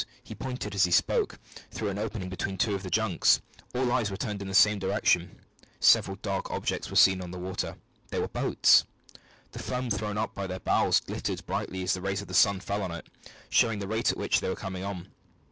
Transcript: He pointed, as he spoke, through an opening between two of the junks. All eyes were turned in the same direction. Several dark objects were seen on the water. They were boats. The foam thrown up by their bows glittered brightly as the rays of the sun fell on it, showing the rate at which they were coming on.